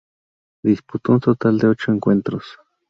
Disputó un total de ocho encuentros.